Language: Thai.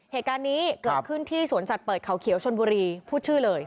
เหตุการณ์นี้เกิดขึ้นที่สวนสัตว์เปิดเขาเขียวชนบุรีพูดชื่อเลย